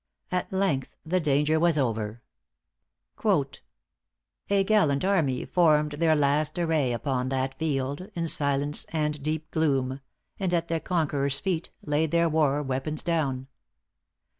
At length the danger was over.= ```"A gallant army formed their last array ```Upon that field, in silence and deep gloom, ````And at their conquerors' feet ````Laid their war weapons down.